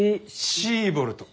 シーボルト。